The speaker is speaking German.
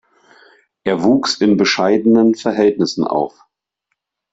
Er wuchs in bescheidenen Verhältnissen auf.